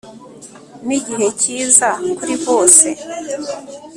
nigihe cyiza kuri bose